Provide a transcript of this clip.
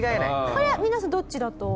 これは皆さんどっちだと？